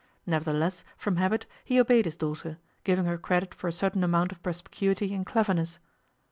Nevertheless, from habit, he obeyed his daughter, giving her credit for a certain amount of perspicuity and cleverness.